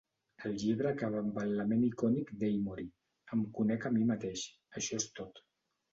El llibre acaba amb el lament icònic d'Amory, "Em conec a mi mateix, això és tot".